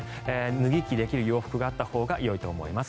脱ぎ着できる洋服があったほうがいいと思います。